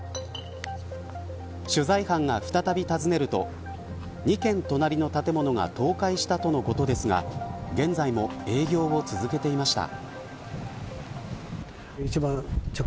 取材班が再び訪ねると２軒隣の建物が倒壊したとのことですが現在も営業を続けていました。